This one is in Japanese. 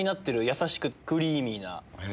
やさしくてクリーミーな。